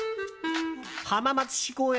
浜松市公園